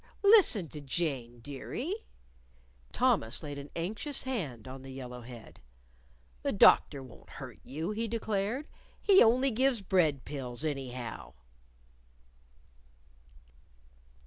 Listen to Jane, dearie." Thomas laid an anxious hand on the yellow head. "The doctor won't hurt you," he declared. "He only gives bread pills, anyhow."